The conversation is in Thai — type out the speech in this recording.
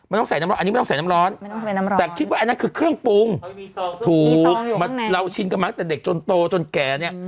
ต้องใส่น้ำร้อนอันนี้ไม่ต้องใส่น้ำร้อนแต่คิดว่าอันนั้นคือเครื่องปรุงถูกเราชินกันมาตั้งแต่เด็กจนโตจนแก่เนี่ย